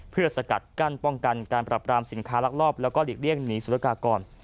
เพื่อสกัดกั้นป้องกันการปรับรามสินค้าลักลอบแล้วก็หลีกเลี่ยงหนีศุลกากร